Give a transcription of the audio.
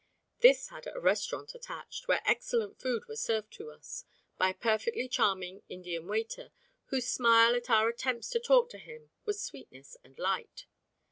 This had a restaurant attached, where excellent food was served to us by a perfectly charming Indian waiter, whose smile at our attempts to talk to him was "sweetness and light."